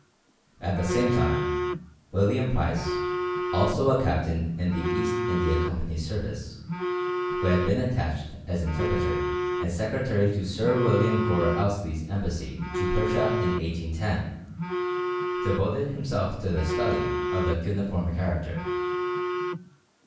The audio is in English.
At the same time, William Price, also a captain in the East India Company's service, who had been attached as interpreter and secretary to Sir William Gore Ouseley's embassy to Persia in 1810, devoted himself to the study of the cuneiform character.